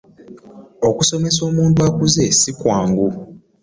Okusomesa omuntu akuze si kwangu.